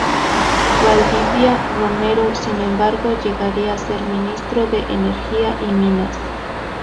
Valdivia Romero sin embargo, llegaría ser Ministro de Energía y Minas.